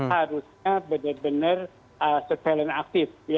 harusnya benar benar surveillance aktif